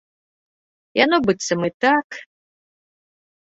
Яно быццам і так.